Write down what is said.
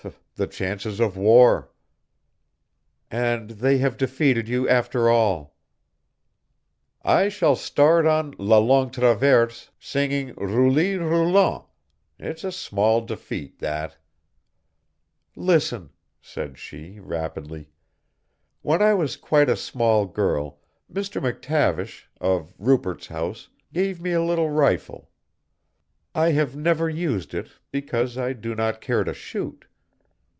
"The chances of war." "And they have defeated you after all." "I shall start on la Longue Traverse singing 'Rouli roulant.' It's a small defeat, that." "Listen," said she, rapidly. "When I was quite a small girl Mr. McTavish, of Rupert's House, gave me a little rifle. I have never used it, because I do not care to shoot.